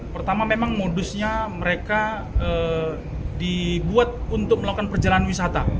pertama memang modusnya mereka dibuat untuk melakukan perjalanan wisata